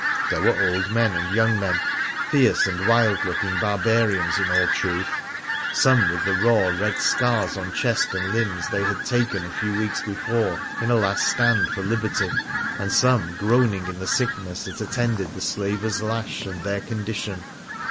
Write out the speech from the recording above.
There were old men and young men — fierce and wild looking barbarians, in all truth some with the raw, red scars on chest and limbs they had taken a few weeks before in a last stand for liberty, and some groaning in the sickness that attended the slaver's lash and their condition.